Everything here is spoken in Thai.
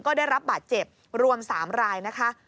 ก็ได้รับบาดเจ็บรวม๓รายนะคะ